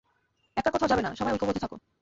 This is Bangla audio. একা কোথাও যাবে না সবাই ঐক্যবদ্ধ থাকো।